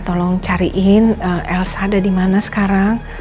tolong cariin elsa ada dimana sekarang